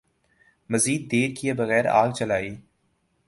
مزید دیر کئے بغیر آگ جلائی ۔